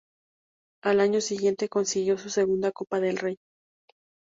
Al año siguiente consiguió su segunda Copa del Rey.